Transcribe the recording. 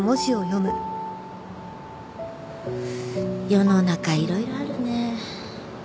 世の中いろいろあるね。